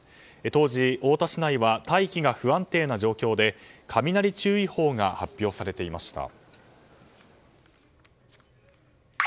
当時、太田市内は大気が不安定な状況で雷注意報が発表されていました。